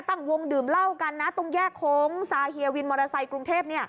ตั้งวงดื่มเหล้ากันนะตรงแยกโค้งซาเฮียวินมอเตอร์ไซค์กรุงเทพ